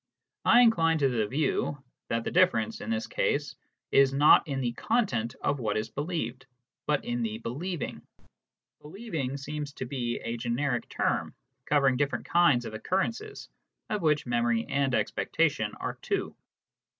I incline to the view that the difference, in this case, is not in the content of what is believed, but in the believing ;" believing " seems to be a generic term, covering different kinds of occurrences, of which memory and expectation are two.